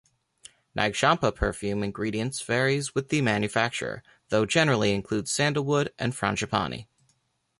Nag Champa perfume ingredients varies with the manufacturer; though generally includes sandalwood and frangipani.